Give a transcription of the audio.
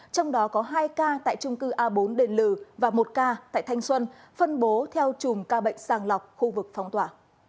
trong đó có hai ca tại trung cư a bốn đền lừ và một ca tại thanh xuân phân bố theo chùm ca bệnh sàng lọc khu vực phong tỏa